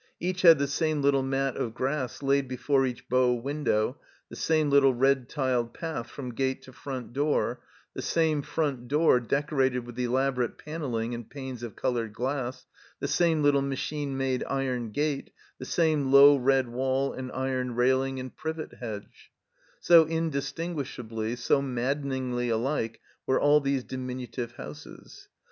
Each had the same little mat of grass laid before each bow window, the same little red tiled path from gate to front door, the same front door decorated with elaborate paneling and panes of colored glass, the same little machine made iron gate, the same low red wall and iron railing and privet hedge; so indistinguishably, so maddeningly alike were all these diminutive houses.